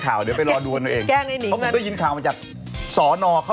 สวัสดีค่ะ